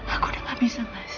aku udah gak bisa mas